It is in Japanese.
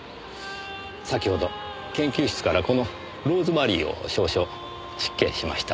先ほど研究室からこのローズマリーを少々失敬しました。